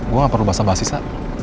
gua gak perlu bahasa bahasa sa